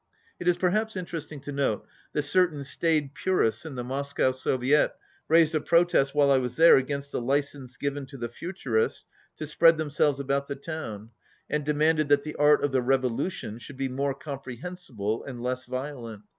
It is perhaps interesting to note that certain staid purists in the Moscow Soviet raised a protest while I was there against the license given to the futurists to spread themselves about the town, and demanded that the art of the revolution should be more comprehensible and less violent.